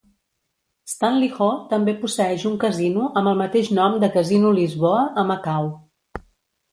Stanley Ho també posseeix un casino amb el mateix nom de Casino Lisboa a Macau.